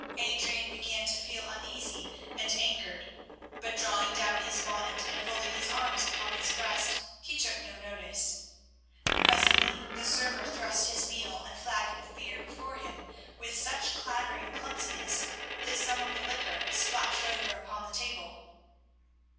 Adrian began to feel uneasy and angered, but, drawing down his bonnet, and folding his arms upon his breast, he took no notice. Presently the server thrust his meal and flagon of beer before him with such clattering clumsiness that some of the liquor splashed over upon the table.